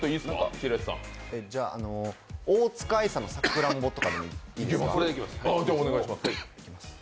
大塚愛さんの「さくらんぼ」とかいいですか。